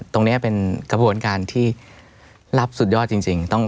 ตรงนี้เป็นกระบวนการที่รับสุดยอดจริง